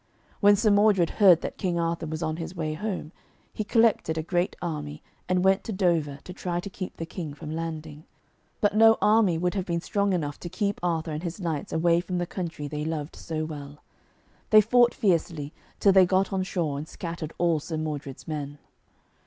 When Sir Modred heard that King Arthur was on his way home, he collected a great army and went to Dover to try to keep the King from landing. But no army would have been strong enough to keep Arthur and his knights away from the country they loved so well. They fought fiercely till they got on shore and scattered all Sir Modred's men.